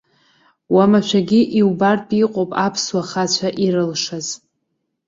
Уамашәагьы иубартә иҟоуп аԥсуа хацәа ирылшаз.